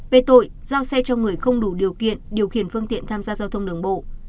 về tội giao xe cho người không đủ điều kiện điều khiển phương tiện tham gia giao thông đường bộ